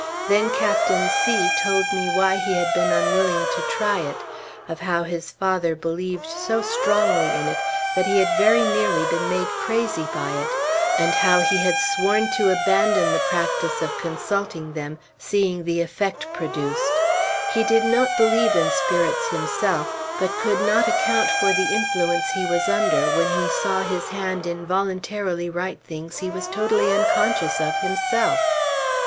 Then Captain C told me why he had been unwilling to try it; of how his father believed so strongly in it that he had very nearly been made crazy by it, and how he had sworn to abandon the practice of consulting them, seeing the effect produced. He did not believe in Spirits himself; but could not account for the influence he was under, when he saw his hand involuntarily write things he was totally unconscious of, himself.